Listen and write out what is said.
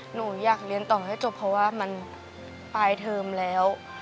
หนูอยากเรียนต่อให้จบเพราะว่ามันปลายเทอมแล้ว